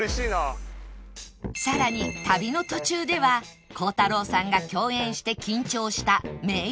さらに旅の途中では孝太郎さんが共演して緊張した名優の話にも